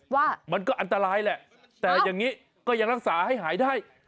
ว่ามันก็อันตรายแหละแต่อย่างนี้ก็ยังรักษาให้หายได้